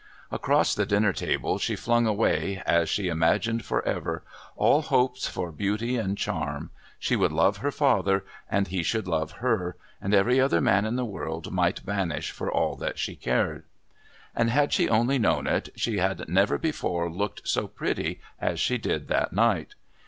Across the dinner table she flung away, as she imagined for ever, all hopes for beauty and charm; she would love her father and he should love her, and every other man in the world might vanish for all that she cared. And had she only known it, she had never before looked so pretty as she did that night.